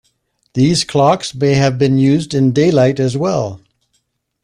These clocks may have been used in daylight as well.